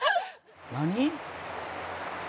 「何？」